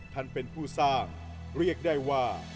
ท่านเป็นผู้สร้างเรียกได้ว่า